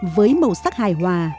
với màu sắc hài hòa